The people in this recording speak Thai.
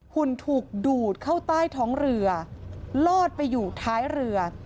หุ่นถูกดูดเข้าใต้ท้องเรือลอดไปอยู่ท้ายเรือ